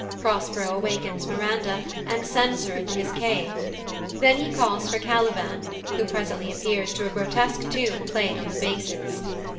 Prospero awakes Miranda, and sends her into his cave; then he calls for Caliban, who presently appears to a grotesque tune played on the basses.